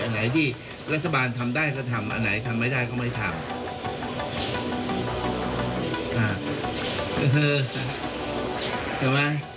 อันไหนที่รัฐบาลทำได้ก็ทำอันไหนทำไม่ได้ก็ไม่ทำอ่าใช่ไหม